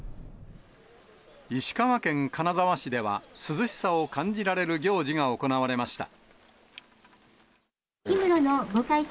石川県金沢市では、涼しさを感じられる行事が行われました。